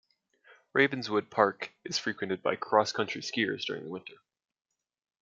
Ravenswood Park is frequented by cross-country skiers during the winter.